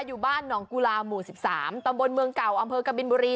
อยู่บ้านหนองกุลาหมู่๑๓ตำบลเมืองเก่าอำเภอกบินบุรี